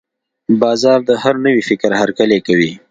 بازار د هر نوي فکر هرکلی کوي.